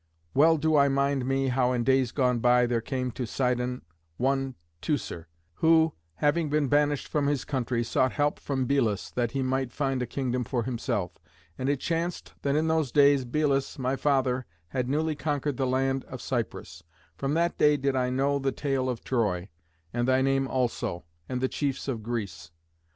Well do I mind me how in days gone by there came to Sidon one Teucer, who, having been banished from his country, sought help from Belus that he might find a kingdom for himself. And it chanced that in those days Belus, my father, had newly conquered the land of Cyprus. From that day did I know the tale of Troy, and thy name also, and the chiefs of Greece.